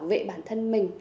bảo vệ bản thân mình